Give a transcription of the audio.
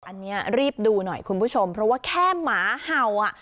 อันนี้รีบดูหน่อยคุณผู้ชมเพราะว่าแค่หมาเห่าอ่ะ